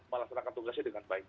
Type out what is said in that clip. melaksanakan tugasnya dengan baik